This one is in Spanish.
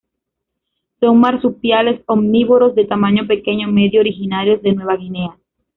Son marsupiales omnívoros de tamaño pequeño-medio originarios de Nueva Guinea.